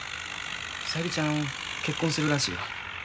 小百合ちゃん結婚するらしいわ。